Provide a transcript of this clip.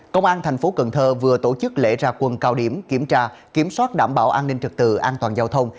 công an thành phố cần thơ vừa tổ chức lễ ra quần cao điểm kiểm soát đảm bảo an ninh trực tự an toàn giao thông